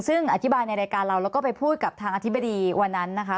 ซึ่งอธิบายในรายการเราแล้วก็ไปพูดกับทางอธิบดีวันนั้นนะคะ